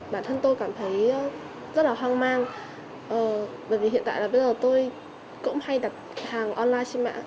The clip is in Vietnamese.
bản thân tôi cảm thấy rất là hoang mang bởi vì hiện tại là bây giờ tôi cũng hay đặt hàng online trên mạng